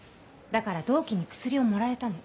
だから同期に薬を盛られたの。